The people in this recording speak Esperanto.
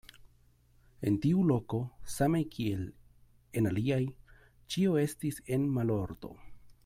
En tiu loko, same kiel en aliaj, ĉio estis en malordo.